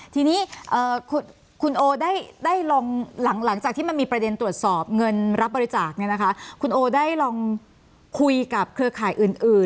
ทีนี้คุณโอได้ลองหลังจากที่มันมีประเด็นตรวจสอบเงินรับบริจาคคุณโอได้ลองคุยกับเครือข่ายอื่น